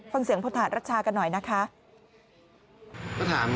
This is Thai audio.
ฟังเสียงพนธาตุรัชากันหน่อยนะคะ